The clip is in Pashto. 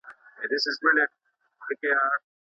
که ستونزي په ګډه حل سي نو اسانه کیږي.